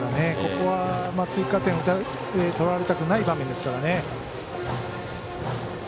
ここは、追加点を取られたくない場面ですから。